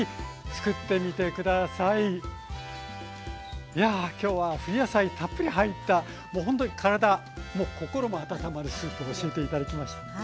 いや今日は冬野菜たっぷり入ったほんとに体も心も温まるスープを教えて頂きました。